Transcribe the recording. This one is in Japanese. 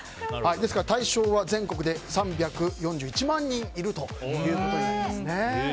ですから、対象は全国で３４１万人いることになります。